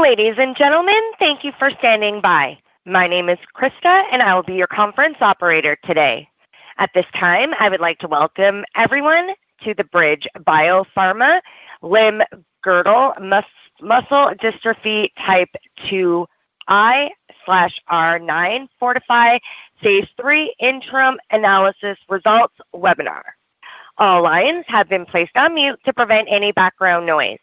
Ladies and gentlemen, thank you for standing by. My name is Krista, and I will be your conference operator today. At this time, I would like to welcome everyone to the BridgeBio Pharma, Limb-girdle Muscular Dystrophy Type 2I/R9 FORTIFY phase three interim analysis results webinar. All lines have been placed on mute to prevent any background noise.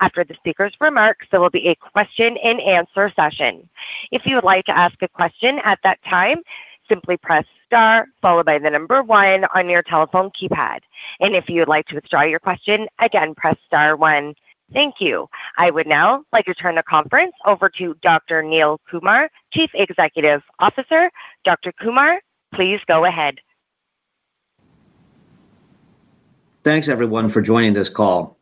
After the speaker's remarks, there will be a question and answer session. If you would like to ask a question at that time, simply press star, followed by the number one on your telephone keypad. If you would like to withdraw your question, again, press *1. Thank you. I would now like to turn the conference over to Dr. Neil Kumar, Chief Executive Officer. Dr. Kumar, please go ahead. Thanks, everyone, for joining this call.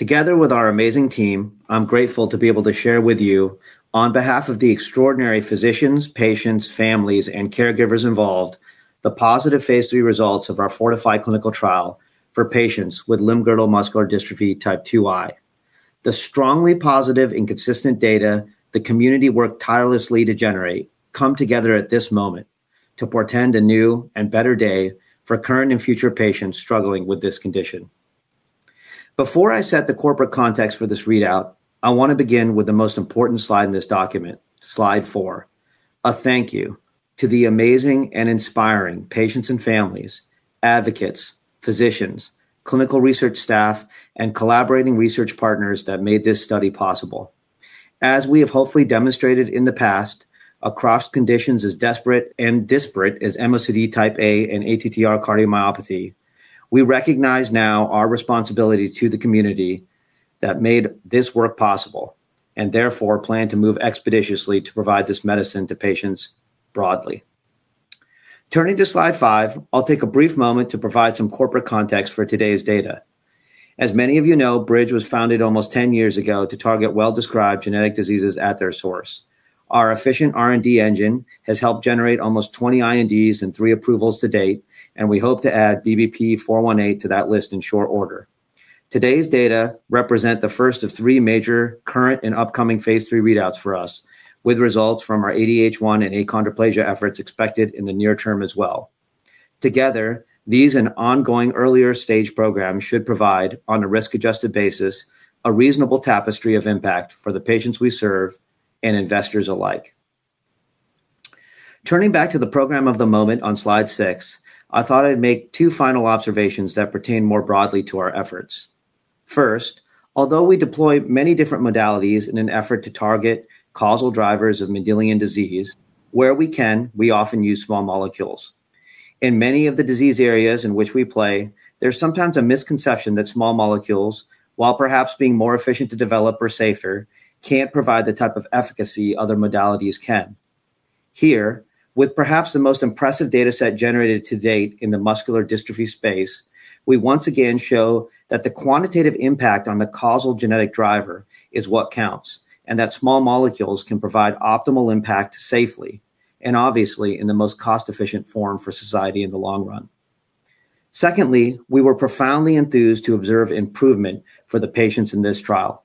Together with our amazing team, I'm grateful to be able to share with you, on behalf of the extraordinary physicians, patients, families, and caregivers involved, the positive phase three results of our FORTIFY clinical trial for patients with Limb-girdle Muscular Dystrophy Type 2I/R9. The strongly positive and consistent data the community worked tirelessly to generate come together at this moment to portend a new and better day for current and future patients struggling with this condition. Before I set the corporate context for this readout, I want to begin with the most important slide in this document, slide four, a thank you to the amazing and inspiring patients and families, advocates, physicians, clinical research staff, and collaborating research partners that made this study possible. As we have hopefully demonstrated in the past, across conditions as desperate and disparate as MOCD type A and ATTR cardiomyopathy, we recognize now our responsibility to the community that made this work possible and therefore plan to move expeditiously to provide this medicine to patients broadly. Turning to slide five, I'll take a brief moment to provide some corporate context for today's data. As many of you know, BridgeBio Pharma was founded almost 10 years ago to target well-described genetic diseases at their source. Our efficient R&D engine has helped generate almost 20 INDs and three approvals to date, and we hope to add BBP-418 to that list in short order. Today's data represent the first of three major current and upcoming phase three readouts for us, with results from our ADH1 and achondroplasia efforts expected in the near term as well. Together, these and ongoing earlier stage programs should provide, on a risk-adjusted basis, a reasonable tapestry of impact for the patients we serve and investors alike. Turning back to the program of the moment on slide six, I thought I'd make two final observations that pertain more broadly to our efforts. First, although we deploy many different modalities in an effort to target causal drivers of Mendelian disease, where we can, we often use small molecules. In many of the disease areas in which we play, there's sometimes a misconception that small molecules, while perhaps being more efficient to develop or safer, can't provide the type of efficacy other modalities can. Here, with perhaps the most impressive data set generated to date in the muscular dystrophy space, we once again show that the quantitative impact on the causal genetic driver is what counts, and that small molecules can provide optimal impact safely and obviously in the most cost-efficient form for society in the long run. Secondly, we were profoundly enthused to observe improvement for the patients in this trial.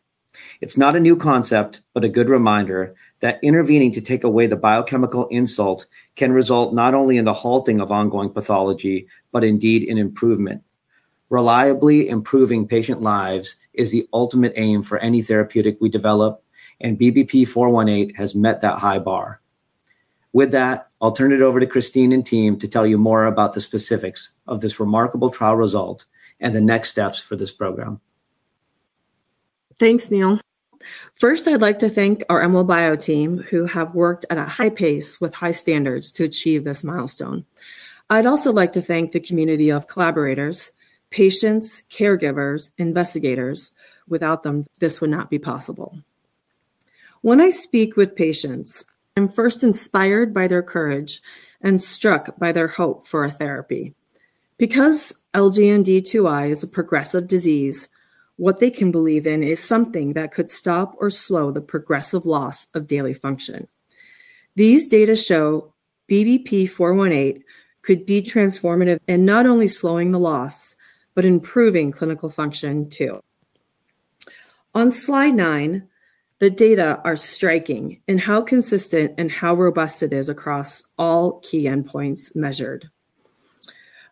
It's not a new concept, but a good reminder that intervening to take away the biochemical insult can result not only in the halting of ongoing pathology, but indeed in improvement. Reliably improving patient lives is the ultimate aim for any therapeutic we develop, and BBP-418 has met that high bar. With that, I'll turn it over to Christine and team to tell you more about the specifics of this remarkable trial result and the next steps for this program. Thanks, Neil. First, I'd like to thank our BridgeBio Pharma team who have worked at a high pace with high standards to achieve this milestone. I'd also like to thank the community of collaborators, patients, caregivers, investigators. Without them, this would not be possible. When I speak with patients, I'm first inspired by their courage and struck by their hope for a therapy. Because LGMD2I/R9 is a progressive disease, what they can believe in is something that could stop or slow the progressive loss of daily function. These data show BBP-418 could be transformative in not only slowing the loss, but improving clinical function too. On slide nine, the data are striking in how consistent and how robust it is across all key endpoints measured.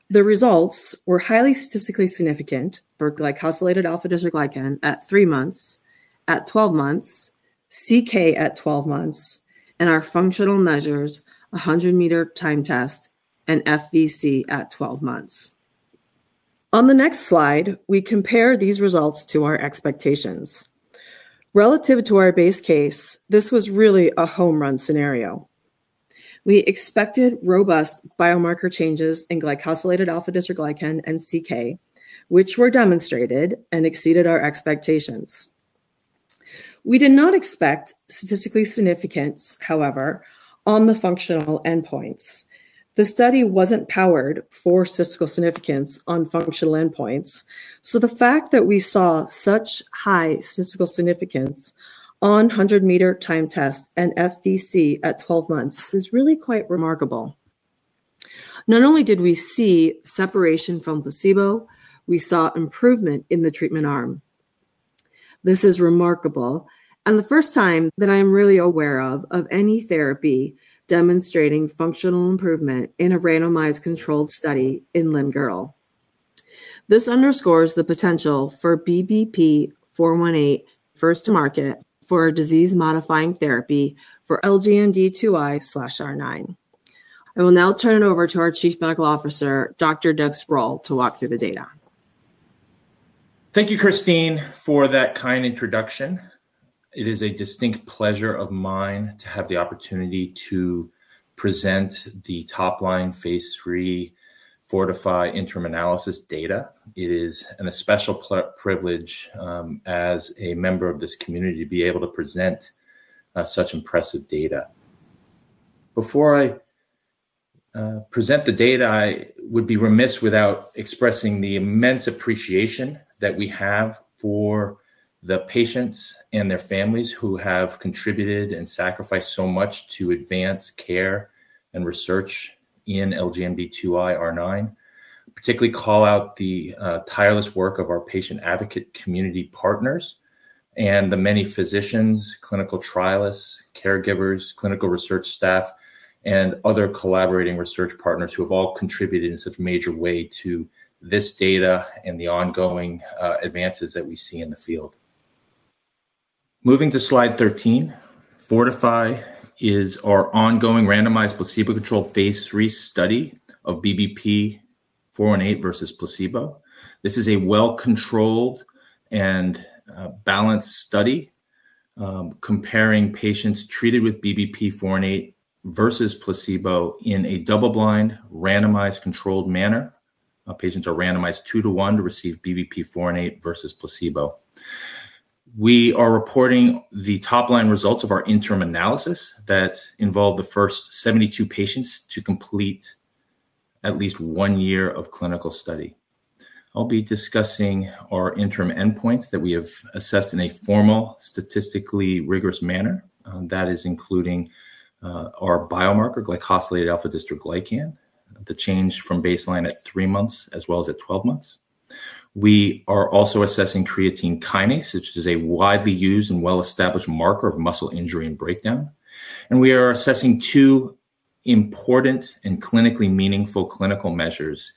The results were highly statistically significant for glycosylated alpha-dystroglycan at three months, at 12 months, serum creatine kinase at 12 months, and our functional measures, 100 m time test, and forced vital capacity at 12 months. On the next slide, we compare these results to our expectations. Relative to our base case, this was really a home run scenario. We expected robust biomarker changes in glycosylated alpha-dystroglycan and serum creatine kinase, which were demonstrated and exceeded our expectations. We did not expect statistical significance, however, on the functional endpoints. The study wasn't powered for statistical significance on functional endpoints, so the fact that we saw such high statistical significance on 100 m time test and forced vital capacity at 12 months is really quite remarkable. Not only did we see separation from placebo, we saw improvement in the treatment arm. This is remarkable and the first time that I'm really aware of any therapy demonstrating functional improvement in a randomized controlled study in limb girdle. This underscores the potential for BBP-418 first to market for a disease-modifying therapy for LGMD2I/R9. I will now turn it over to our Chief Medical Officer, Dr. Doug Sproul, to walk through the data. Thank you, Christine, for that kind introduction. It is a distinct pleasure of mine to have the opportunity to present the top-line phase three FORTIFY interim analysis data. It is a special privilege as a member of this community to be able to present such impressive data. Before I present the data, I would be remiss without expressing the immense appreciation that we have for the patients and their families who have contributed and sacrificed so much to advance care and research in LGMD2I/R9. Particularly call out the tireless work of our patient advocate community partners and the many physicians, clinical trialists, caregivers, clinical research staff, and other collaborating research partners who have all contributed in such a major way to this data and the ongoing advances that we see in the field. Moving to slide 13, FORTIFY is our ongoing randomized placebo-controlled phase three study of BBP-418 versus placebo. This is a well-controlled and balanced study comparing patients treated with BBP-418 versus placebo in a double-blind randomized controlled manner. Patients are randomized two to one to receive BBP-418 versus placebo. We are reporting the top-line results of our interim analysis that involved the first 72 patients to complete at least one year of clinical study. I'll be discussing our interim endpoints that we have assessed in a formal, statistically rigorous manner. That is including our biomarker glycosylated alpha-dystroglycan, the change from baseline at three months as well as at 12 months. We are also assessing creatine kinase, which is a widely used and well-established marker of muscle injury and breakdown. We are assessing two important and clinically meaningful clinical measures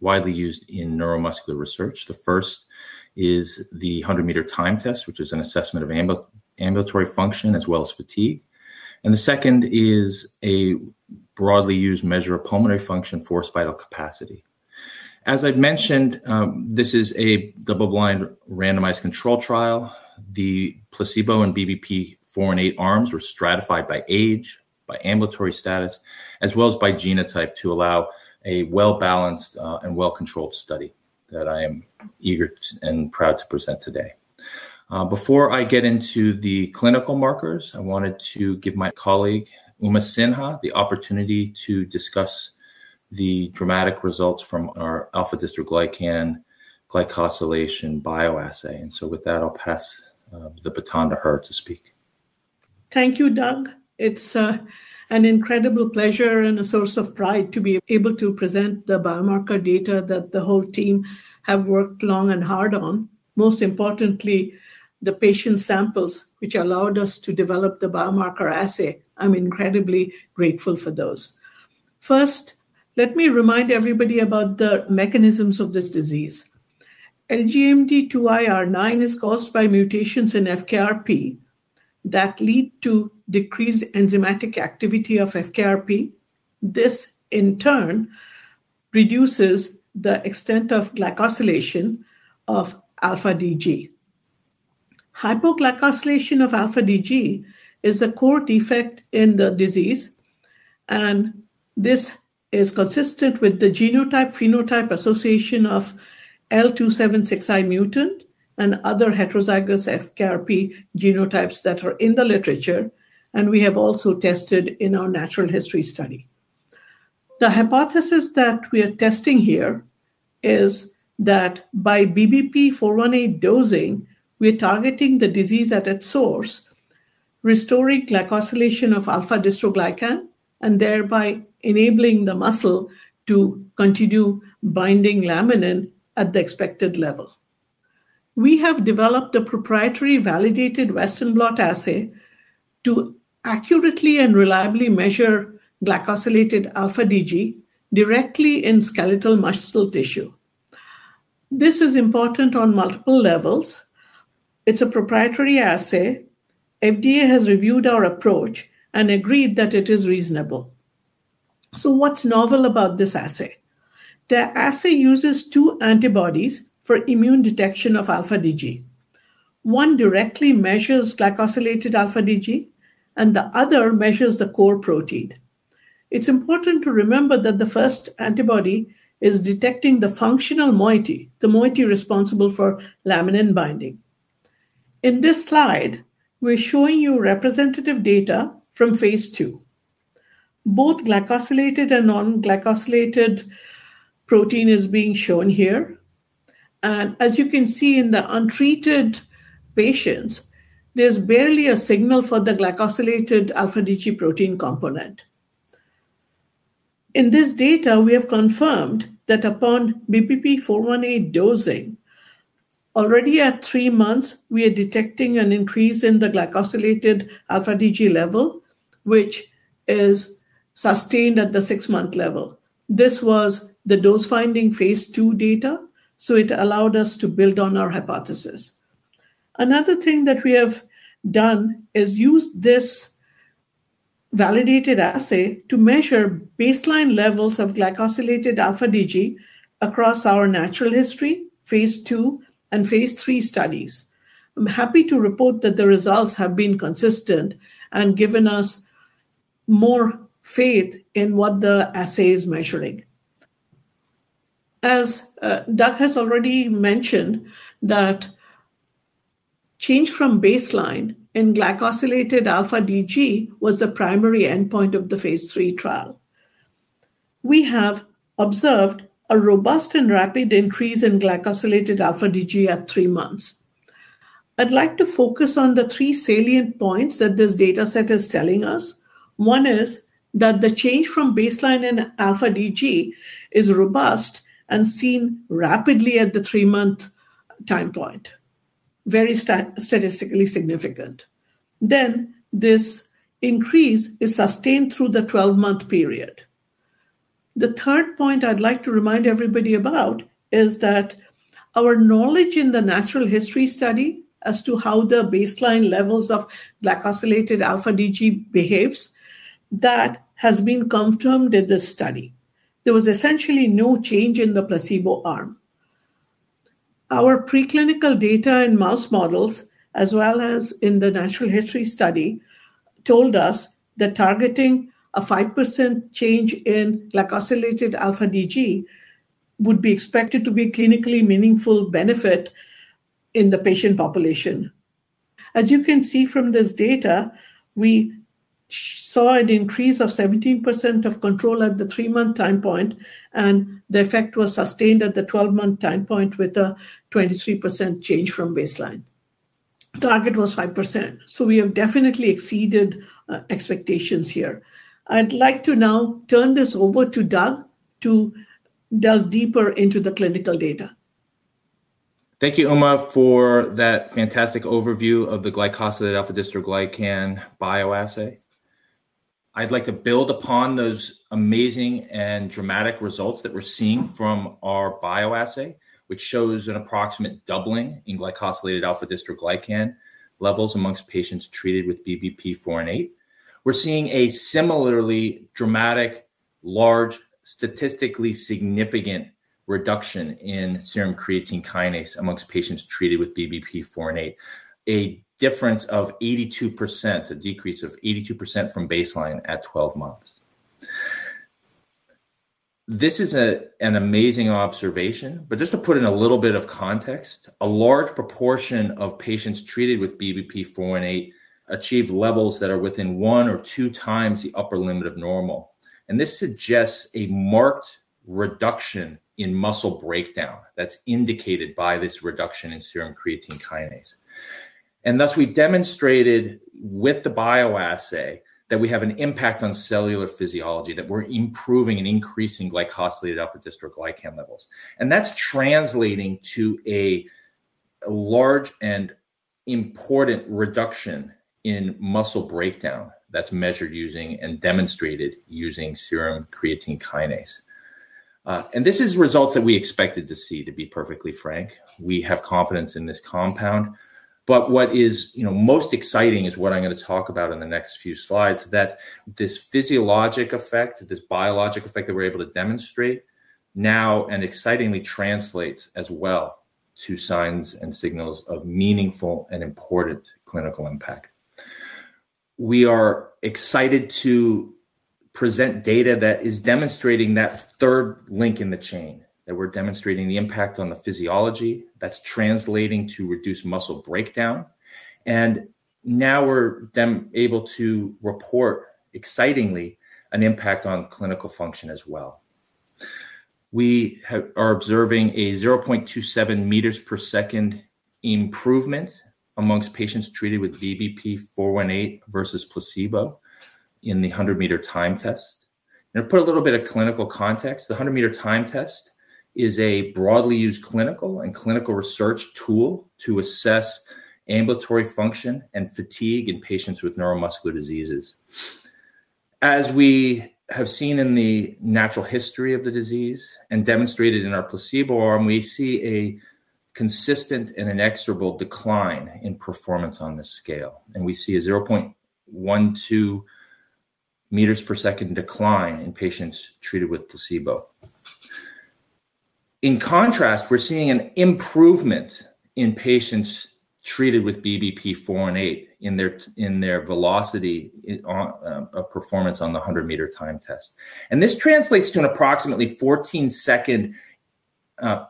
widely used in neuromuscular research. The first is the 100-meter time test, which is an assessment of ambulatory function as well as fatigue. The second is a broadly used measure of pulmonary function, forced vital capacity. As I've mentioned, this is a double-blind randomized control trial. The placebo and BBP-418 arms were stratified by age, by ambulatory status, as well as by genotype to allow a well-balanced and well-controlled study that I am eager and proud to present today. Before I get into the clinical markers, I wanted to give my colleague Uma Sinha the opportunity to discuss the dramatic results from our alpha-dystroglycan glycosylation bioassay. With that, I'll pass the baton to her to speak. Thank you, Doug. It's an incredible pleasure and a source of pride to be able to present the biomarker data that the whole team has worked long and hard on. Most importantly, the patient samples, which allowed us to develop the biomarker assay. I'm incredibly grateful for those. First, let me remind everybody about the mechanisms of this disease. LGMD2I/R9 is caused by mutations in FKRP that lead to decreased enzymatic activity of FKRP. This in turn reduces the extent of glycosylation of alpha-DG. Hypoglycosylation of alpha-DG is a core defect in the disease, and this is consistent with the genotype-phenotype association of L276I mutant and other heterozygous FKRP genotypes that are in the literature, and we have also tested in our natural history study. The hypothesis that we are testing here is that by BBP-418 dosing, we are targeting the disease at its source, restoring glycosylation of alpha-dystroglycan, and thereby enabling the muscle to continue binding laminin at the expected level. We have developed a proprietary validated western blot assay to accurately and reliably measure glycosylated alpha-DG directly in skeletal muscle tissue. This is important on multiple levels. It's a proprietary assay. FDA has reviewed our approach and agreed that it is reasonable. What's novel about this assay? The assay uses two antibodies for immune detection of alpha-DG. One directly measures glycosylated alpha-DG, and the other measures the core protein. It's important to remember that the first antibody is detecting the functional moiety, the moiety responsible for laminin binding. In this slide, we're showing you representative data from phase two. Both glycosylated and non-glycosylated protein is being shown here. As you can see in the untreated patients, there's barely a signal for the glycosylated alpha-DG protein component. In this data, we have confirmed that upon BBP-418 dosing, already at three months, we are detecting an increase in the glycosylated alpha-DG level, which is sustained at the six-month level. This was the dose-finding phase two data, so it allowed us to build on our hypothesis. Another thing that we have done is use this validated assay to measure baseline levels of glycosylated alpha-DG across our natural history, phase two, and phase three studies. I'm happy to report that the results have been consistent and given us more faith in what the assay is measuring. As Doug has already mentioned, the change from baseline in glycosylated alpha-dystroglycan was the primary endpoint of the phase three trial. We have observed a robust and rapid increase in glycosylated alpha-dystroglycan at three months. I'd like to focus on the three salient points that this data set is telling us. One is that the change from baseline in alpha-dystroglycan is robust and seen rapidly at the three-month time point, very statistically significant. This increase is sustained through the 12-month period. The third point I'd like to remind everybody about is that our knowledge in the natural history study as to how the baseline levels of glycosylated alpha-dystroglycan behave, that has been confirmed in this study. There was essentially no change in the placebo arm. Our preclinical data in mouse models, as well as in the natural history study, told us that targeting a 5% change in glycosylated alpha-dystroglycan would be expected to be a clinically meaningful benefit in the patient population. As you can see from this data, we saw an increase of 17% of control at the three-month time point, and the effect was sustained at the 12-month time point with a 23% change from baseline. Target was 5%, so we have definitely exceeded expectations here. I'd like to now turn this over to Doug to delve deeper into the clinical data. Thank you, Uma, for that fantastic overview of the glycosylated alpha-dystroglycan bioassay. I'd like to build upon those amazing and dramatic results that we're seeing from our bioassay, which shows an approximate doubling in glycosylated alpha-dystroglycan levels amongst patients treated with BBP-418. We're seeing a similarly dramatic, large, statistically significant reduction in serum creatine kinase amongst patients treated with BBP-418, a difference of 82%, a decrease of 82% from baseline at 12 months. This is an amazing observation, just to put it in a little bit of context, a large proportion of patients treated with BBP-418 achieve levels that are within one or two times the upper limit of normal. This suggests a marked reduction in muscle breakdown that's indicated by this reduction in serum creatine kinase. We demonstrated with the bioassay that we have an impact on cellular physiology, that we're improving and increasing glycosylated alpha-dystroglycan levels. That's translating to a large and important reduction in muscle breakdown that's measured using and demonstrated using serum creatine kinase. These are results that we expected to see, to be perfectly frank. We have confidence in this compound. What is most exciting is what I'm going to talk about in the next few slides, that this physiologic effect, this biologic effect that we're able to demonstrate now, excitingly translates as well to signs and signals of meaningful and important clinical impact. We are excited to present data that is demonstrating that third link in the chain, that we're demonstrating the impact on the physiology that's translating to reduced muscle breakdown. Now we're able to report, excitingly, an impact on clinical function as well. We are observing a 0.27 m/s improvement amongst patients treated with BBP-418 versus placebo in the 100 m time test. To put a little bit of clinical context, the 100 m time test is a broadly used clinical and clinical research tool to assess ambulatory function and fatigue in patients with neuromuscular diseases. As we have seen in the natural history of the disease and demonstrated in our placebo arm, we see a consistent and inexorable decline in performance on this scale. We see a 0.12 m/s decline in patients treated with placebo. In contrast, we're seeing an improvement in patients treated with BBP-418 in their velocity of performance on the 100 m time test. This translates to an approximately 14 s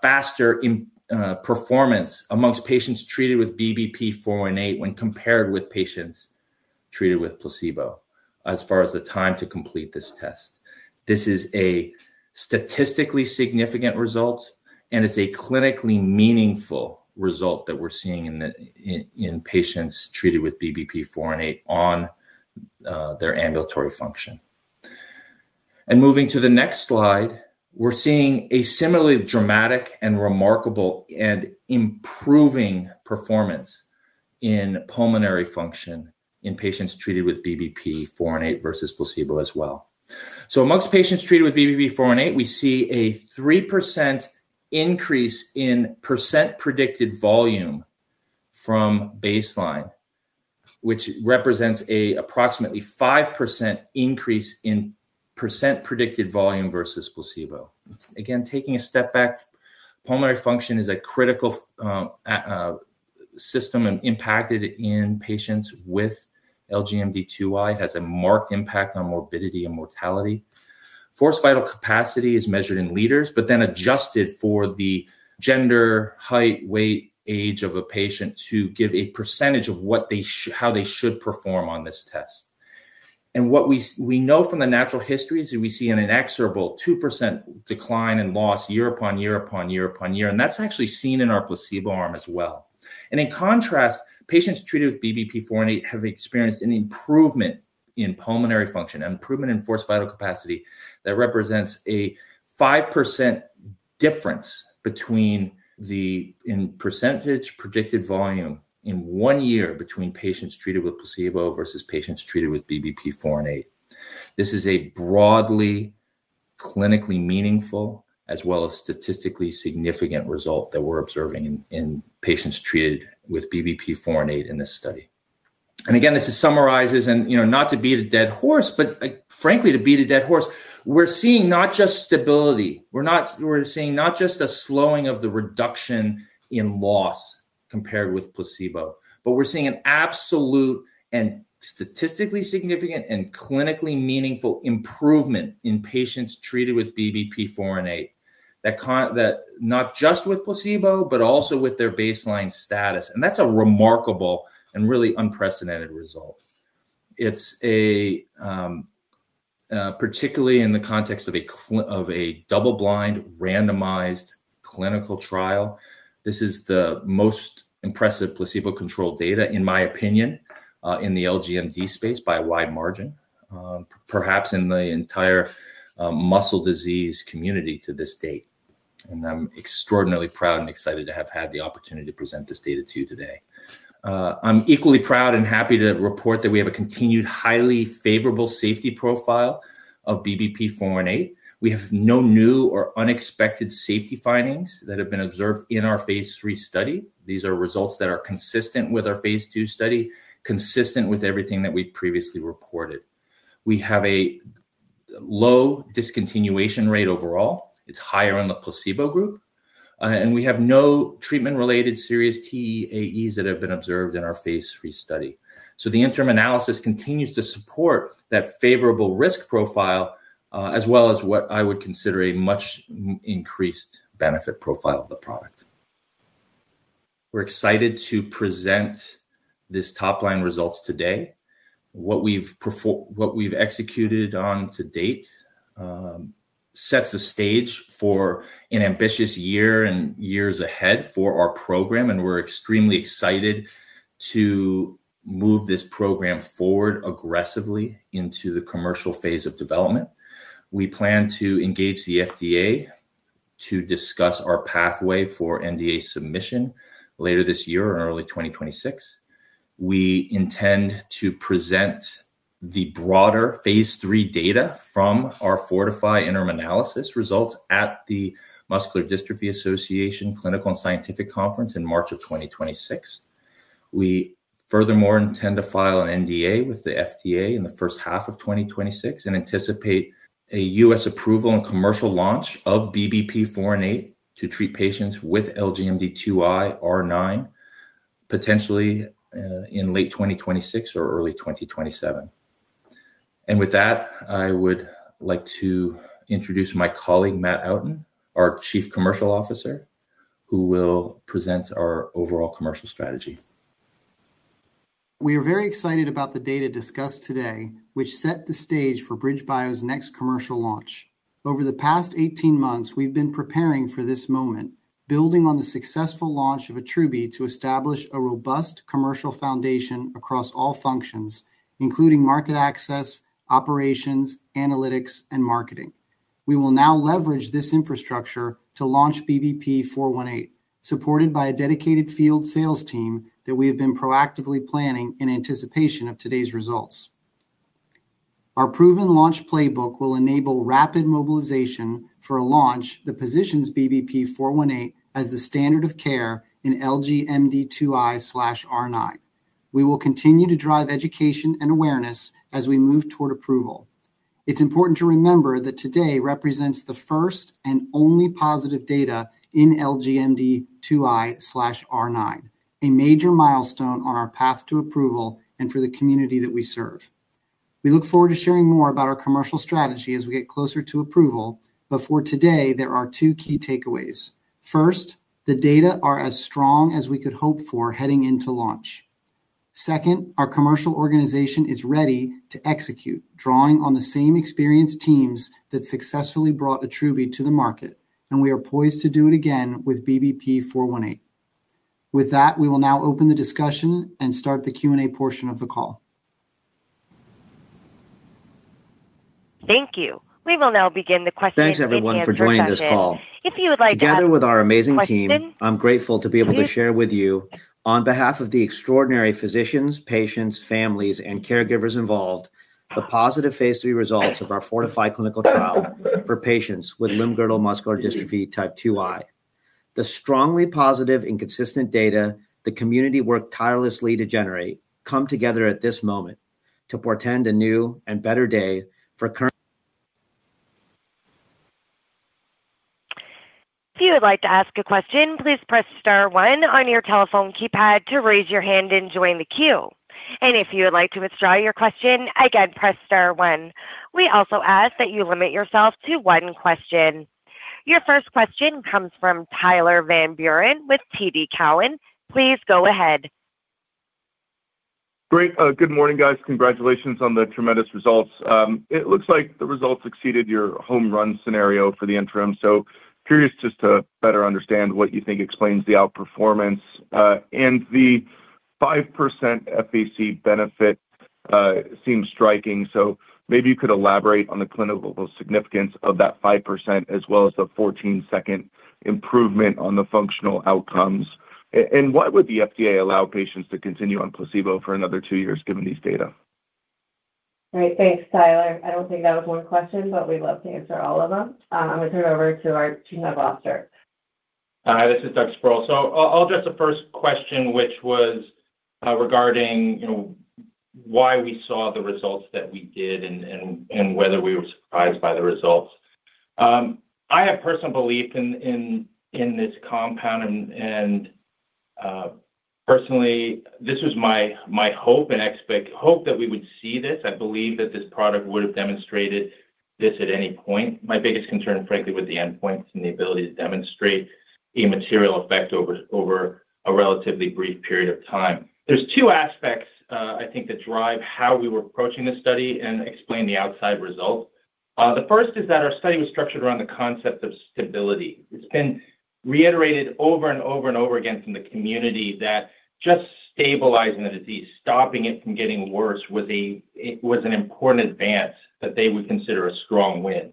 faster performance amongst patients treated with BBP-418 when compared with patients treated with placebo as far as the time to complete this test. This is a statistically significant result, and it's a clinically meaningful result that we're seeing in patients treated with BBP-418 on their ambulatory function. Moving to the next slide, we're seeing a similarly dramatic and remarkable and improving performance in pulmonary function in patients treated with BBP-418 versus placebo as well. Amongst patients treated with BBP-418, we see a 3% increase in percent predicted volume from baseline, which represents an approximately 5% increase in percent predicted volume versus placebo. Taking a step back, pulmonary function is a critical system impacted in patients with LGMD2I, has a marked impact on morbidity and mortality. Forced vital capacity is measured in liters, but then adjusted for the gender, height, weight, age of a patient to give a percentage of how they should perform on this test. What we know from the natural history is that we see an inexorable 2% decline and loss year upon year upon year upon year, and that's actually seen in our placebo arm as well. In contrast, patients treated with BBP-418 have experienced an improvement in pulmonary function, an improvement in forced vital capacity that represents a 5% difference between the percentage predicted volume in one year between patients treated with placebo versus patients treated with BBP-418. This is a broadly clinically meaningful as well as statistically significant result that we're observing in patients treated with BBP-418 in this study. This summarizes, and not to beat a dead horse, but frankly to beat a dead horse, we're seeing not just stability, we're seeing not just a slowing of the reduction in loss compared with placebo, but we're seeing an absolute and statistically significant and clinically meaningful improvement in patients treated with BBP-418, not just with placebo, but also with their baseline status. That's a remarkable and really unprecedented result, particularly in the context of a double-blind randomized clinical trial. This is the most impressive placebo-controlled data, in my opinion, in the LGMD space by a wide margin, perhaps in the entire muscle disease community to this date. I'm extraordinarily proud and excited to have had the opportunity to present this data to you today. I'm equally proud and happy to report that we have a continued highly favorable safety profile of BBP-418. We have no new or unexpected safety findings that have been observed in our phase three study. These are results that are consistent with our phase two study, consistent with everything that we previously reported. We have a low discontinuation rate overall. It's higher in the placebo group. We have no treatment-related serious TEAEs that have been observed in our phase three study. The interim analysis continues to support that favorable risk profile as well as what I would consider a much increased benefit profile of the product. We're excited to present these top-line results today. What we've executed on to date sets the stage for an ambitious year and years ahead for our program, and we're extremely excited to move this program forward aggressively into the commercial phase of development. We plan to engage the FDA to discuss our pathway for NDA submission later this year or in early 2026. We intend to present the broader phase three data from our FORTIFY interim analysis results at the Muscular Dystrophy Association Clinical and Scientific Conference in March of 2026. We furthermore intend to file an NDA with the FDA in the first half of 2026 and anticipate a US approval and commercial launch of BBP-418 to treat patients with LGMD2I/R9, potentially in late 2026 or early 2027. With that, I would like to introduce my colleague Matthew Outten, our Chief Commercial Officer, who will present our overall commercial strategy. We are very excited about the data discussed today, which set the stage for BridgeBio Pharma's next commercial launch. Over the past 18 months, we've been preparing for this moment, building on the successful launch of Attruby to establish a robust commercial foundation across all functions, including market access, operations, analytics, and marketing. We will now leverage this infrastructure to launch BBP-418, supported by a dedicated field sales team that we have been proactively planning in anticipation of today's results. Our proven launch playbook will enable rapid mobilization for a launch that positions BBP-418 as the standard of care in LGMD2I/R9. We will continue to drive education and awareness as we move toward approval. It's important to remember that today represents the first and only positive data in LGMD2I/R9, a major milestone on our path to approval and for the community that we serve. We look forward to sharing more about our commercial strategy as we get closer to approval. For today, there are two key takeaways. First, the data are as strong as we could hope for heading into launch. Second, our commercial organization is ready to execute, drawing on the same experienced teams that successfully brought Atrubi to the market. We are poised to do it again with BBP-418. With that, we will now open the discussion and start the Q&A portion of the call. Thank you. We will now begin the question and answer. Thanks, everyone, for joining this call. Together with our amazing team, I'm grateful to be able to share with you, on behalf of the extraordinary physicians, patients, families, and caregivers involved, the positive phase three results of our FORTIFY clinical trial for patients with limb girdle muscular dystrophy type 2I/R9. The strongly positive and consistent data the community worked tirelessly to generate come together at this moment to portend a new and better day for current. If you would like to ask a question, please press *1 on your telephone keypad to raise your hand and join the queue. If you would like to withdraw your question, again, press star one. We also ask that you limit yourself to one question. Your first question comes from Tyler Van Buren with TD Cowen. Please go ahead. Great. Good morning, guys. Congratulations on the tremendous results. It looks like the results exceeded your home run scenario for the interim. I'm curious just to better understand what you think explains the outperformance. The 5% FVC benefit seems striking. Could you elaborate on the clinical significance of that 5% as well as the 14 s improvement on the functional outcomes? Why would the FDA allow patients to continue on placebo for another two years given these data? All right. Thanks, Tyler. I don't think that was one question, but we'd love to answer all of them. I'm going to turn it over to our team advisor. Hi, this is Doug Sproul. I'll address the first question, which was regarding why we saw the results that we did and whether we were surprised by the results. I have personal belief in this compound. Personally, this was my hope and expect hope that we would see this. I believe that this product would have demonstrated this at any point. My biggest concern, frankly, was the endpoints and the ability to demonstrate a material effect over a relatively brief period of time. There are two aspects, I think, that drive how we were approaching the study and explain the outside results. The first is that our study was structured around the concept of stability. It's been reiterated over and over again from the community that just stabilizing the disease, stopping it from getting worse, was an important advance that they would consider a strong win.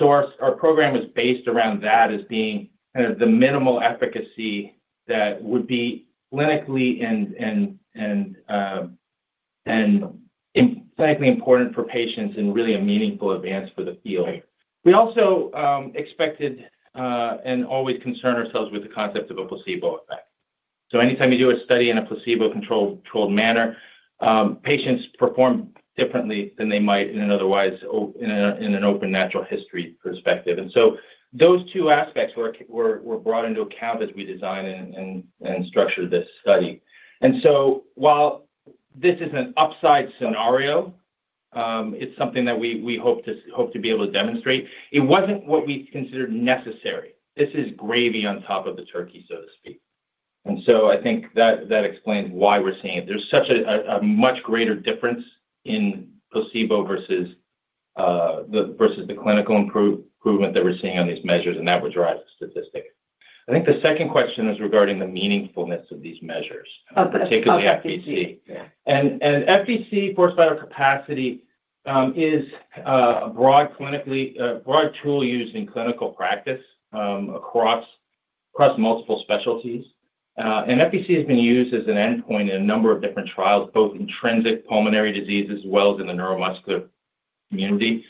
Our program was based around that as being kind of the minimal efficacy that would be clinically and important for patients and really a meaningful advance for the field. We also expected and always concern ourselves with the concept of a placebo effect. Anytime you do a study in a placebo-controlled manner, patients perform differently than they might in an otherwise open natural history perspective. Those two aspects were brought into account as we designed and structured this study. While this is an upside scenario, it's something that we hope to be able to demonstrate. It wasn't what we considered necessary. This is gravy on top of the turkey, so to speak. I think that explains why we're seeing it. There's such a much greater difference in placebo versus the clinical improvement that we're seeing on these measures, and that would drive the statistics. I think the second question was regarding the meaningfulness of these measures, particularly FVC. FVC, forced vital capacity, is a broad tool used in clinical practice across multiple specialties. FVC has been used as an endpoint in a number of different trials, both intrinsic pulmonary diseases as well as in the neuromuscular community.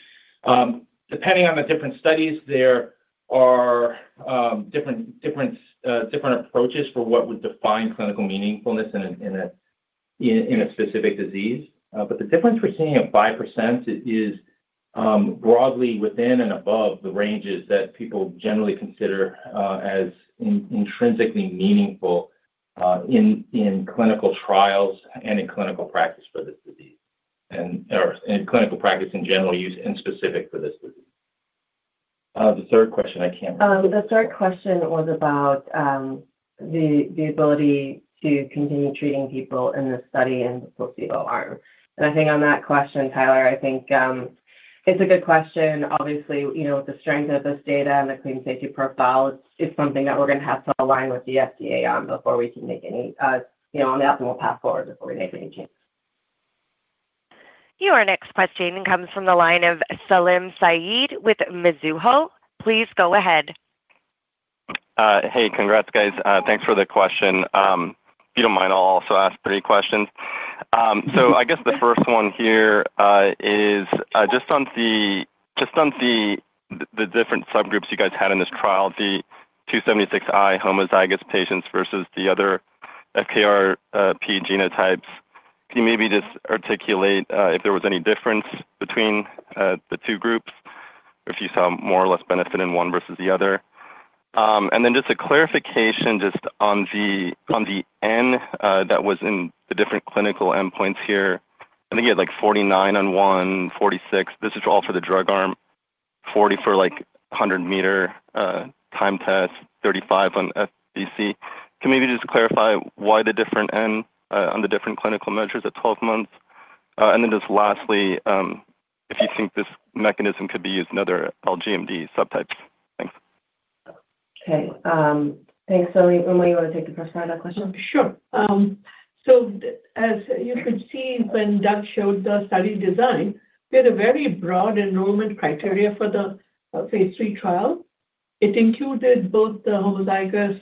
Depending on the different studies, there are different approaches for what would define clinical meaningfulness in a specific disease. The difference we're seeing at 5% is broadly within and above the ranges that people generally consider as intrinsically meaningful in clinical trials and in clinical practice for this disease, and in clinical practice in general use in specific for this disease. The third question, I can't remember. The third question was about the ability to continue treating people in the study and the placebo arm. I think on that question, Tyler, I think it's a good question. Obviously, with the strength of this data and the clean safety profile, it's something that we're going to have to align with the FDA on before we can make any, you know, on the optimal path forward before we make any changes. Your next question comes from the line of Salim Syed with Mizuho. Please go ahead. Hey, congrats, guys. Thanks for the question. If you don't mind, I'll also ask three questions. I guess the first one here is just on the different subgroups you guys had in this trial, the L276I homozygous patients versus the other FKRP genotypes. Can you maybe just articulate if there was any difference between the two groups, or if you saw more or less benefit in one versus the other? Then just a clarification just on the N that was in the different clinical endpoints here. I think you had like 49 on one, 46. This is all for the drug arm, 40 for like 100 m time test, 35 on forced vital capacity. Can you maybe just clarify why the different N on the different clinical measures at 12 months? Lastly, if you think this mechanism could be used in other LGMD subtypes. Thanks. Okay. Thanks, Salim. Uma, you want to take the first part of that question? Sure. As you could see when Doug showed the study design, we had a very broad enrollment criteria for the phase three trial. It included both the homozygous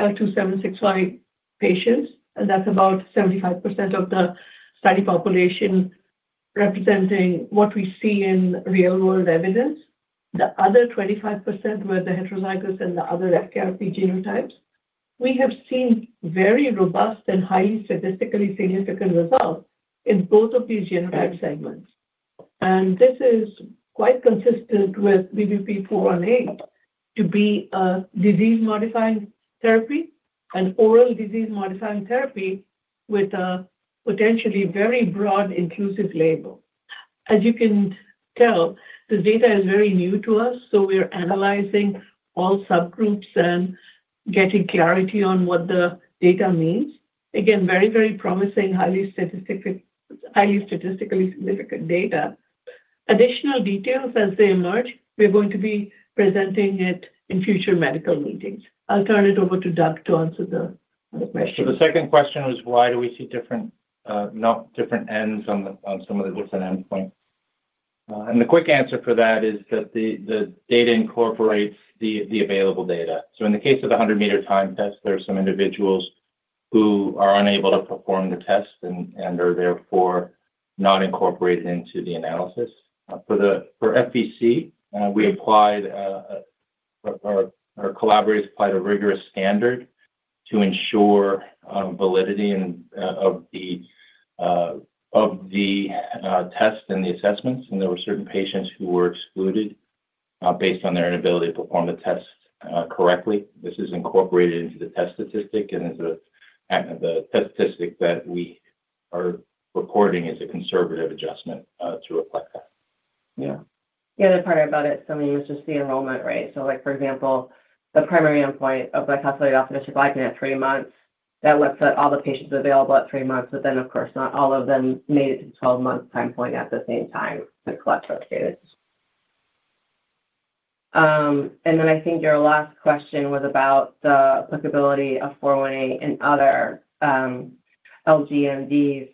L276I patients, and that's about 75% of the study population representing what we see in real-world evidence. The other 25% were the heterozygous and the other FKRP genotypes. We have seen very robust and highly statistically significant results in both of these genotype segments. This is quite consistent with BBP-418 to be a disease-modifying therapy, an oral disease-modifying therapy with a potentially very broad inclusive label. As you can tell, this data is very new to us, so we're analyzing all subgroups and getting clarity on what the data means. Again, very, very promising, highly statistically significant data. Additional details as they emerge, we're going to be presenting it in future medical meetings. I'll turn it over to Doug to answer the question. The second question was why do we see different Ns on some of the different endpoints? The quick answer for that is that the data incorporates the available data. In the case of the 100 m time test, there are some individuals who are unable to perform the test and are therefore not incorporated into the analysis. For forced vital capacity, our collaborators applied a rigorous standard to ensure validity of the test and the assessments. There were certain patients who were excluded based on their inability to perform the test correctly. This is incorporated into the test statistic, and the test statistic that we are reporting is a conservative adjustment to reflect that. Yeah. The other part about it, Salim, is just the enrollment rate. For example, the primary endpoint of glycosylated alpha-dystroglycan at three months looks at all the patients available at three months, but then, of course, not all of them made it to the 12-month time point at the same time to collect those data. I think your last question was about the applicability of 418 in other LGMDs.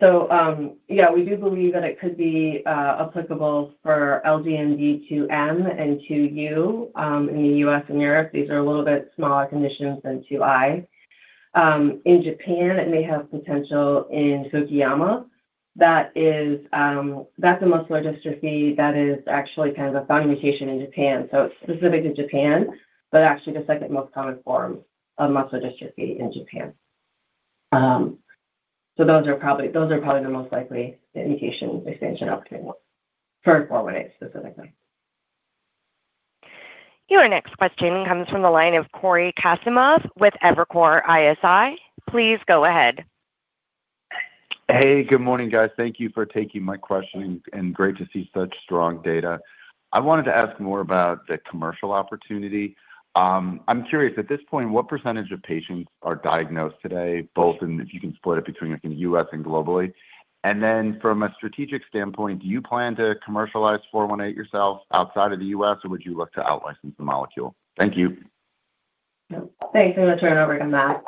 We do believe that it could be applicable for LGMD2M and 2U in the US and Europe. These are a little bit smaller conditions than 2I. In Japan, it may have potential in Tokiyama. That's a muscular dystrophy that is actually kind of a found mutation in Japan. It's specific to Japan, but actually the second most common form of muscular dystrophy in Japan. Those are probably the most likely mutation expansion opportunities for 418 specifically. Your next question comes from the line of Corey Kasimov with Evercore ISI. Please go ahead. Hey, good morning, guys. Thank you for taking my question and great to see such strong data. I wanted to ask more about the commercial opportunity. I'm curious, at this point, what percentage of patients are diagnosed today, both in if you can split it between like in the US and globally? From a strategic standpoint, do you plan to commercialize 418 yourself outside of the US, or would you look to out-license the molecule? Thank you. Thanks. I'm going to turn it over to Matt.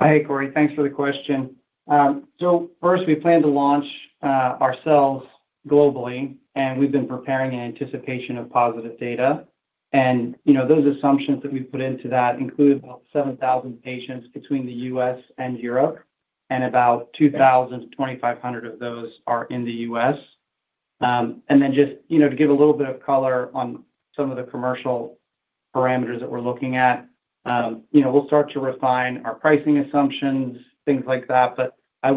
Hi, Corey. Thanks for the question. First, we plan to launch ourselves globally, and we've been preparing in anticipation of positive data. Those assumptions that we put into that include about 7,000 patients between the U.S. and Europe, and about 2,000-2,500 of those are in the U.S. Just to give a little bit of color on some of the commercial parameters that we're looking at, we'll start to refine our pricing assumptions, things like that. As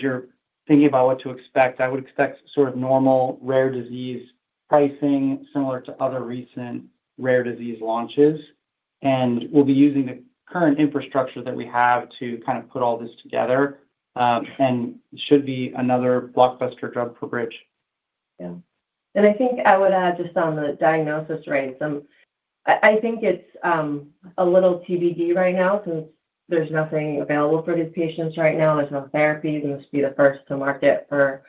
you're thinking about what to expect, I would expect sort of normal rare disease pricing similar to other recent rare disease launches. We'll be using the current infrastructure that we have to kind of put all this together. It should be another blockbuster drug for BridgeBio Pharma. Yeah. I think I would add just on the diagnosis rates, it's a little TBD right now since there's nothing available for these patients right now. There's no therapies. We must be the first to market for,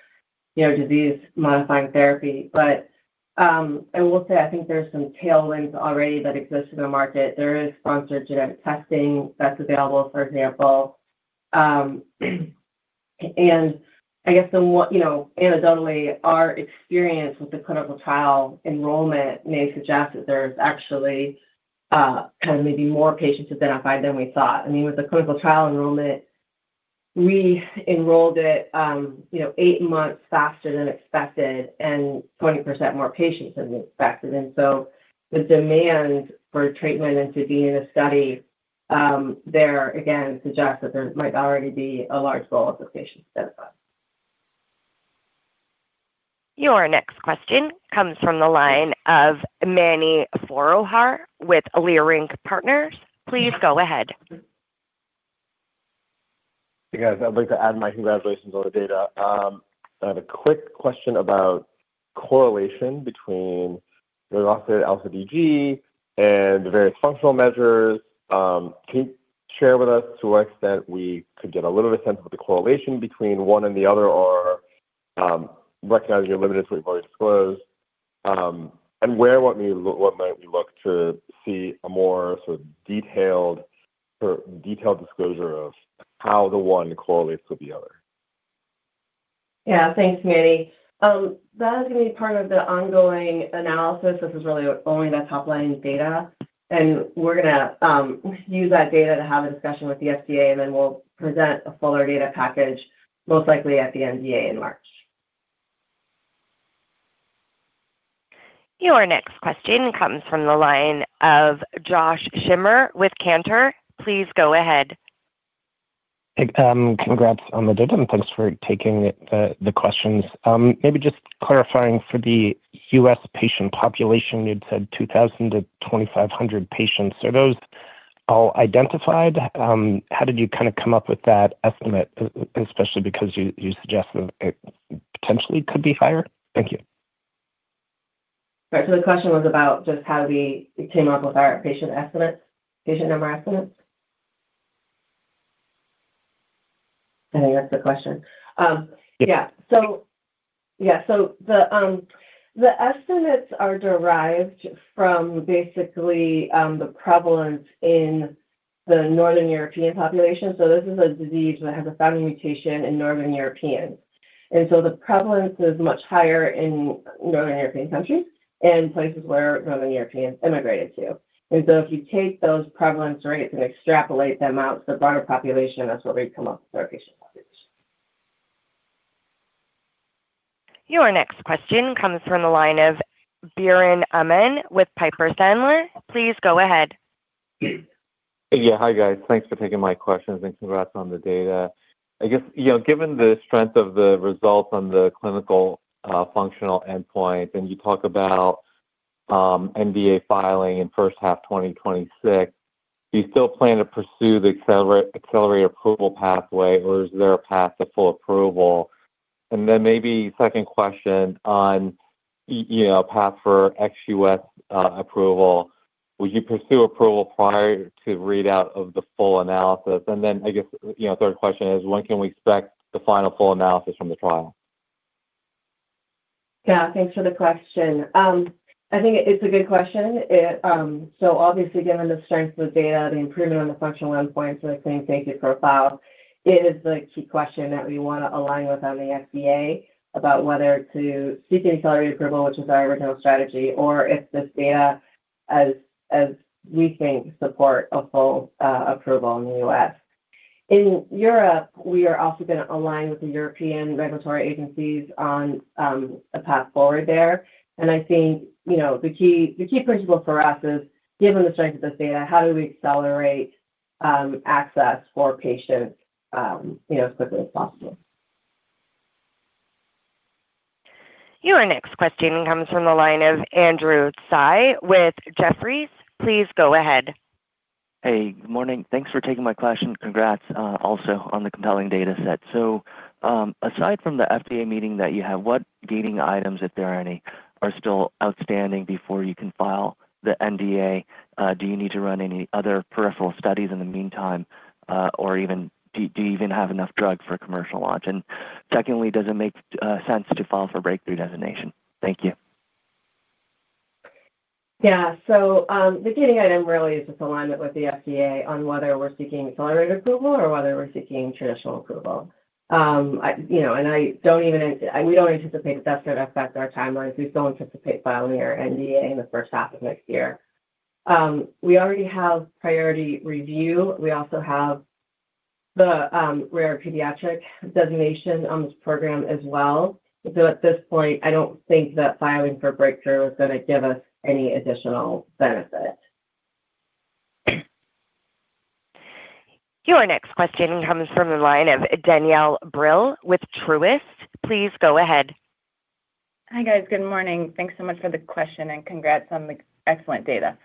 you know, disease-modifying therapy. I will say I think there's some tailwinds already that exist in the market. There is sponsored genetic testing that's available, for example. I guess, you know, anecdotally, our experience with the clinical trial enrollment may suggest that there's actually kind of maybe more patients identified than we thought. I mean, with the clinical trial enrollment, we enrolled it eight months faster than expected and 20% more patients than expected. The demand for treatment and to be in a study there, again, suggests that there might already be a large volume of patients identified. Your next question comes from the line of Mani Foroohar with Leerink Partners. Please go ahead. Hey, guys. I'd like to add my congratulations on the data. I have a quick question about correlation between glycosylated alpha-dystroglycan and the various functional measures. Can you share with us to what extent we could get a little bit of a sense of the correlation between one and the other, recognizing you're limited to what you've already disclosed? Where might we look to see a more sort of detailed disclosure of how the one correlates with the other? Yeah. Thanks, Manny. That is going to be part of the ongoing analysis. This is really only that top-line data. We're going to use that data to have a discussion with the FDA, and we'll present a fuller data package most likely at the NDA in March. Your next question comes from the line of Josh Schimmer with Cantor. Please go ahead. Hey, congrats on the data, and thanks for taking the questions. Maybe just clarifying for the U.S. patient population, you'd said 2,000-2,500 patients. Are those all identified? How did you kind of come up with that estimate, especially because you suggested it potentially could be higher? Thank you. Right. The question was about just how we came up with our patient number estimates. I think that's the question. The estimates are derived from basically the prevalence in the Northern European population. This is a disease that has a founding mutation in Northern Europeans, so the prevalence is much higher in Northern European countries and places where Northern Europeans immigrated to. If you take those prevalence rates and extrapolate them out to the broader population, that's what we've come up with for our patient population. Your next question comes from the line of Biren Amin with Piper Sandler. Please go ahead. Yeah. Hi, guys. Thanks for taking my questions and congrats on the data. I guess, you know, given the strength of the results on the clinical functional endpoint, and you talk about NDA filing in first half 2026, do you still plan to pursue the accelerated approval pathway, or is there a path to full approval? Maybe second question on, you know, a path for ex-US approval. Would you pursue approval prior to readout of the full analysis? I guess, you know, third question is, when can we expect the final full analysis from the trial? Yeah. Thanks for the question. I think it's a good question. Obviously, given the strength of the data, the improvement on the functional endpoints, and the clean safety profile, it is the key question that we want to align with on the FDA about whether to seek an accelerated approval, which is our original strategy, or if this data, as we think, supports a full approval in the U.S. In Europe, we are also going to align with the European regulatory agencies on a path forward there. I think the key principle for us is, given the strength of this data, how do we accelerate access for patients as quickly as possible? Your next question comes from the line of Andrew Tsai with Jefferies. Please go ahead. Hey, good morning. Thanks for taking my question. Congrats also on the compelling data set. Aside from the FDA meeting that you have, what gating items, if there are any, are still outstanding before you can file the NDA? Do you need to run any other peripheral studies in the meantime, or do you even have enough drug for a commercial launch? Secondly, does it make sense to file for breakthrough designation? Thank you. Yeah. The gating item really is this alignment with the FDA on whether we're seeking accelerated approval or whether we're seeking traditional approval. You know, we don't anticipate that that's going to affect our timelines. We still anticipate filing our NDA in the first half of next year. We already have priority review. We also have the rare pediatric designation on this program as well. At this point, I don't think that filing for breakthrough is going to give us any additional benefit. Your next question comes from the line of Danielle Brill with Truist. Please go ahead. Hi, guys. Good morning. Thanks so much for the question and congrats on the excellent data.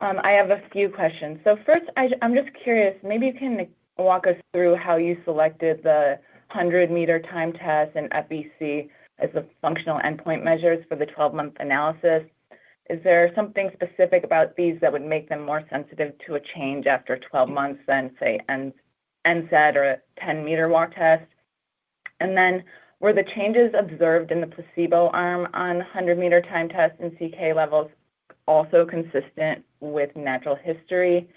I have a few questions. First, I'm just curious, maybe you can walk us through how you selected the 100-meter time test and forced vital capacity as the functional endpoint measures for the 12-month analysis. Is there something specific about these that would make them more sensitive to a change after 12 months than, say, NSAID or a 10 m walk test? Were the changes observed in the placebo arm on 100 m time test and serum creatine kinase levels also consistent with natural history?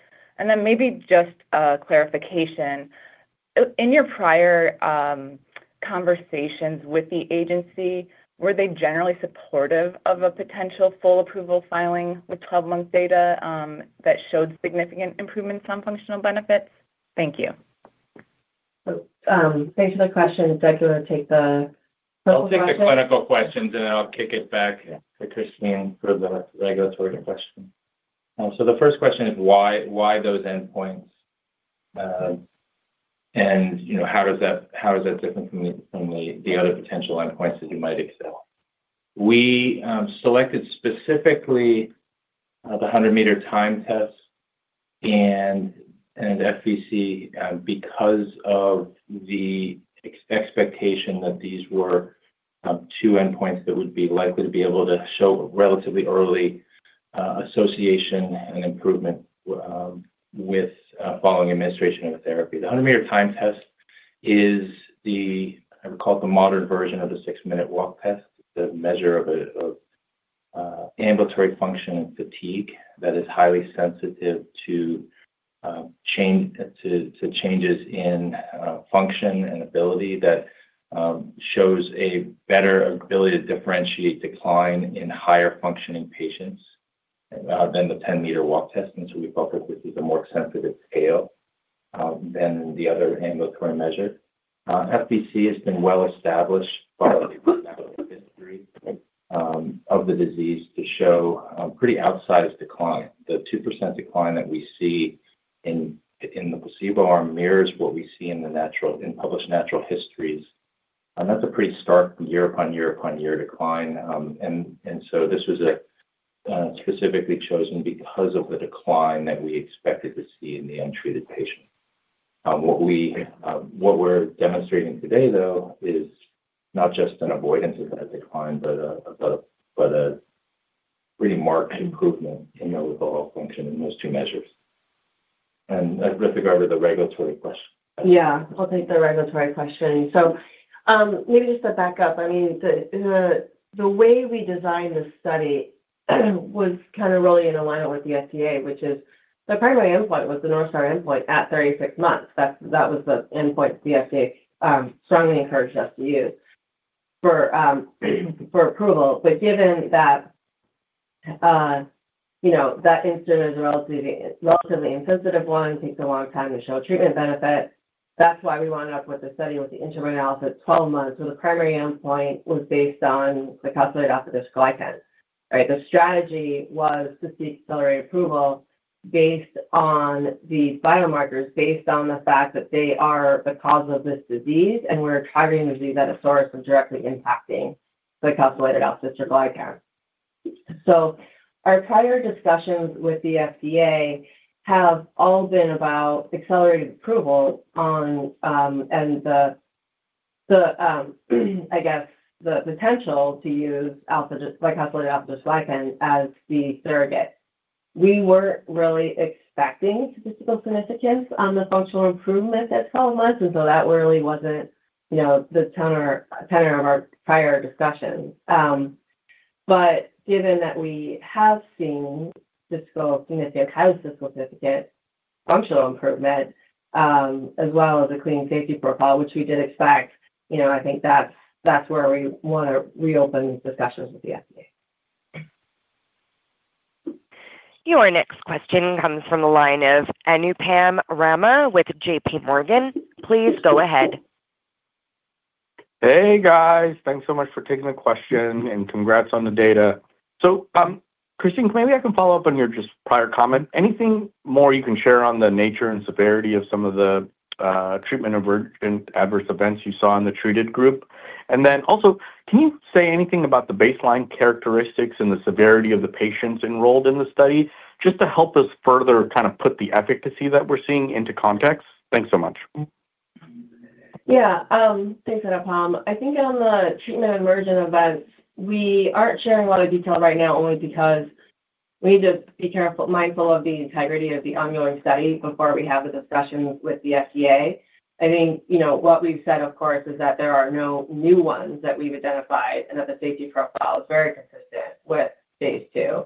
Maybe just a clarification. In your prior conversations with the agency, were they generally supportive of a potential full approval filing with 12 month data that showed significant improvements on functional benefits? Thank you. Thanks for the question. Doug, do you want to take the clinical question? I'll take the clinical questions, and then I'll kick it back to Christine for the regulatory question. The first question is why those endpoints and how is that different from the other potential endpoints that you might excel? We selected specifically the 100 m time test and FVC because of the expectation that these were two endpoints that would be likely to be able to show relatively early association and improvement with following administration of the therapy. The 100 m time test is the, I would call it the modern version of the six-minute walk test, the measure of ambulatory function and fatigue that is highly sensitive to changes in function and ability that shows a better ability to differentiate decline in higher functioning patients than the 10 m walk test. We felt that this is a more sensitive scale than the other ambulatory measure. FVC has been well established by the history of the disease to show pretty outsized decline. The 2% decline that we see in the placebo arm mirrors what we see in the published natural histories, and that's a pretty stark year-upon-year-upon-year decline. This was specifically chosen because of the decline that we expected to see in the untreated patient. What we're demonstrating today, though, is not just an avoidance of that decline, but a pretty marked improvement in the overall function in those two measures. With regard to the regulatory question. Yeah. I'll take the regulatory question. Maybe just to back up, the way we designed the study was really in alignment with the FDA, which is the primary endpoint was the North Star endpoint at 36 months. That was the endpoint that the FDA strongly encouraged us to use for approval. Given that, you know, that incident is a relatively insensitive one, takes a long time to show treatment benefit, that's why we wound up with the study with the interim analysis at 12 months where the primary endpoint was based on glycosylated alpha-dystroglycan. The strategy was to seek accelerated approval based on the biomarkers, based on the fact that they are the cause of this disease, and we're targeting the disease at its source and directly impacting glycosylated alpha-dystroglycan. Our prior discussions with the FDA have all been about accelerated approval on, and the, I guess, the potential to use glycosylated alpha-dystroglycan as the surrogate. We weren't really expecting statistical significance on the functional improvement at 12 months, and that really wasn't, you know, the tenor of our prior discussion. Given that we have seen highly statistical significant functional improvement, as well as a clean safety profile, which we did expect, I think that's where we want to reopen discussions with the FDA. Your next question comes from the line of Anupam Rama with JP Morgan. Please go ahead. Hey, guys. Thanks so much for taking the question and congrats on the data. Christine, maybe I can follow up on your just prior comment. Anything more you can share on the nature and severity of some of the treatment emergent adverse events you saw in the treated group? Also, can you say anything about the baseline characteristics and the severity of the patients enrolled in the study just to help us further kind of put the efficacy that we're seeing into context? Thanks so much. Yeah. Thanks for that, Anupum. I think on the treatment emergent events, we aren't sharing a lot of detail right now only because we need to be mindful of the integrity of the ongoing study before we have the discussions with the FDA. What we've said, of course, is that there are no new ones that we've identified and that the safety profile is very consistent with phase two.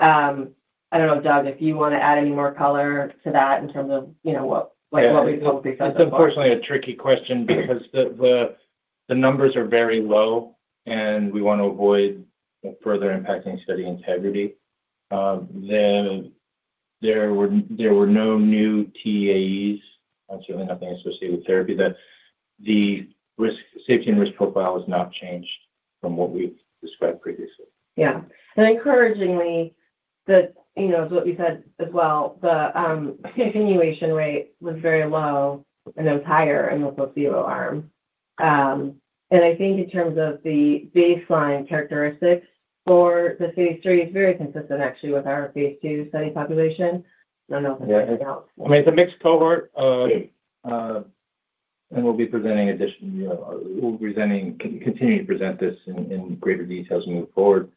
I don't know, Doug, if you want to add any more color to that in terms of what we've hoped to discuss about. It's unfortunately a tricky question because the numbers are very low, and we want to avoid further impacting study integrity. There were no new TEAEs, certainly nothing associated with therapy. The safety and risk profile has not changed from what we've described previously. Yeah. Encouragingly, as you said as well, the attenuation rate was very low, and it was higher in the placebo arm. I think in terms of the baseline characteristics for the phase three, it's very consistent, actually, with our phase two study population. I don't know if that's anything else. Yeah. I mean, it's a mixed cohort, and we'll be presenting additional, we'll continue to present this in greater details moving forward.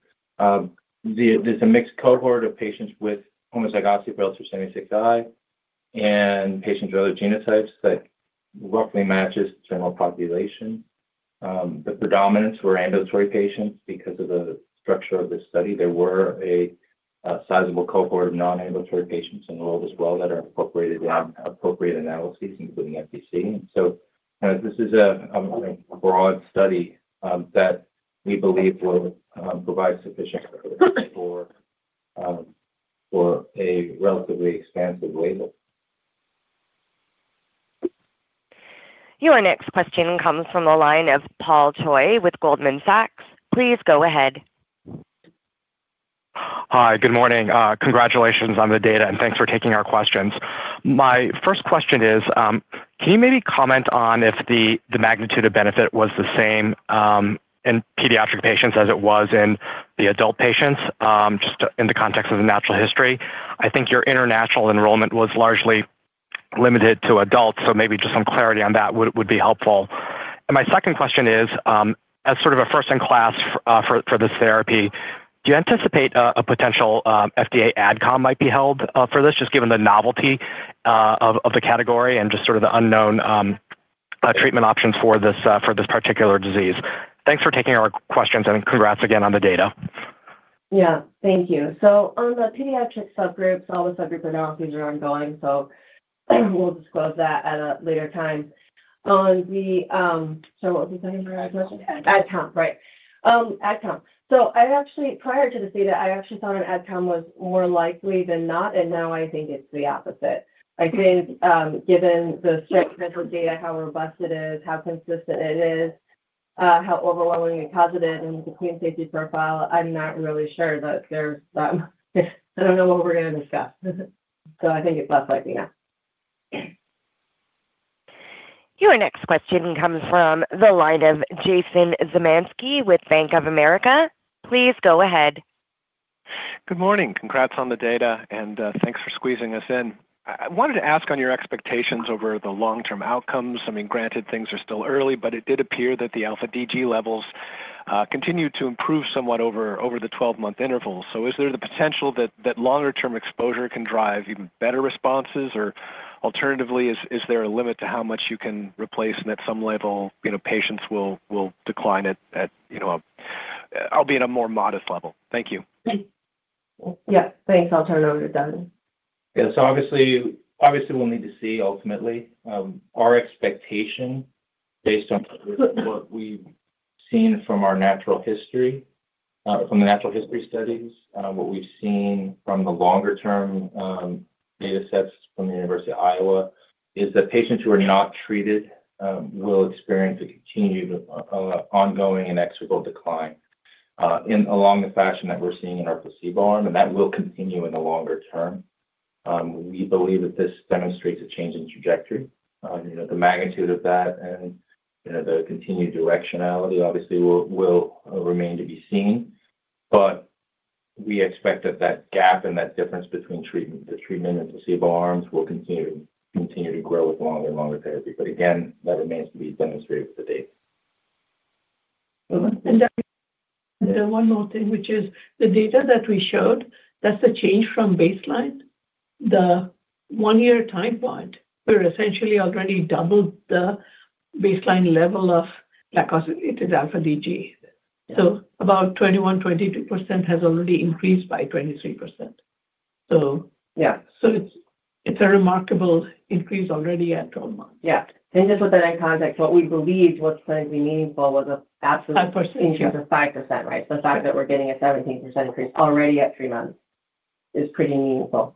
There's a mixed cohort of patients with homozygosity for L276I and patients with other FKRP genotypes that roughly matches the general population. The predominance were ambulatory patients because of the structure of this study. There were a sizable cohort of non-ambulatory patients enrolled as well that are incorporated in appropriate analyses, including forced vital capacity. This is a broad study that we believe will provide sufficient coverage for a relatively expansive label. Your next question comes from the line of Paul Toy with Goldman Sachs. Please go ahead. Hi. Good morning. Congratulations on the data, and thanks for taking our questions. My first question is, can you maybe comment on if the magnitude of benefit was the same in pediatric patients as it was in the adult patients just in the context of the natural history? I think your international enrollment was largely limited to adults, so maybe just some clarity on that would be helpful. My second question is, as sort of a first-in-class for this therapy, do you anticipate a potential FDA adcom might be held for this, just given the novelty of the category and just sort of the unknown treatment options for this particular disease? Thanks for taking our questions, and congrats again on the data. Thank you. On the pediatric subgroups, all the subgroup analyses are ongoing, so we'll disclose that at a later time. On the, sorry, what was the second part of the question? Adcom, right. Adcom. Prior to this data, I actually thought an adcom was more likely than not, and now I think it's the opposite. I think given the strength of the data, how robust it is, how consistent it is, how overwhelming and positive it is in the clean safety profile, I'm not really sure that there's, I don't know what we're going to discuss. I think it's less likely now. Your next question comes from the line of Jason Zemansky with Bank of America. Please go ahead. Good morning. Congrats on the data, and thanks for squeezing us in. I wanted to ask on your expectations over the long-term outcomes. I mean, granted, things are still early, but it did appear that the alpha-DG levels continued to improve somewhat over the 12 month interval. Is there the potential that longer-term exposure can drive even better responses? Alternatively, is there a limit to how much you can replace and at some level, you know, patients will decline at, you know, albeit a more modest level? Thank you. Yeah, thanks. I'll turn it over to Doug. Yeah. Obviously, we'll need to see ultimately. Our expectation, based on what we've seen from our natural history, from the natural history studies, what we've seen from the longer-term datasets from the University of Iowa, is that patients who are not treated will experience a continued ongoing and inexorable decline along the fashion that we're seeing in our placebo arm, and that will continue in the longer term. We believe that this demonstrates a change in trajectory. You know, the magnitude of that and, you know, the continued directionality obviously will remain to be seen. We expect that that gap and that difference between the treatment and placebo arms will continue to grow with longer and longer therapy. Again, that remains to be demonstrated with the data. One more thing, which is the data that we showed, that's the change from baseline. The one-year time point, we're essentially already doubled the baseline level of glycosylated alpha-DG. About 21%-22% has already increased by 23%. It's a remarkable increase already at 12 months. Yeah, just with that in context, what we believed was clinically meaningful was an absolute increase of 5%. The fact that we're getting a 17% increase already at three months is pretty meaningful.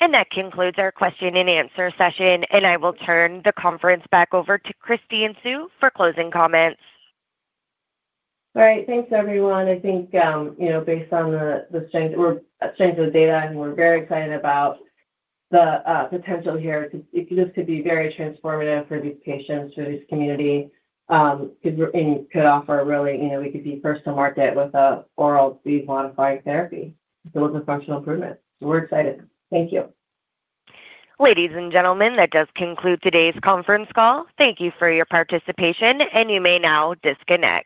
That concludes our question and answer session. I will turn the conference back over to Christine Siu for closing comments. All right. Thanks, everyone. I think, you know, based on the strength of the data, I think we're very excited about the potential here. It just could be very transformative for these patients, for this community, because we could offer really, you know, we could be first to market with an oral disease-modifying therapy. It's a functional improvement. We're excited. Thank you. Ladies and gentlemen, that does conclude today's conference call. Thank you for your participation, and you may now disconnect.